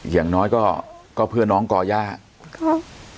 อย่างน้อยก็ก็เพื่อน้องก่อย่าครับ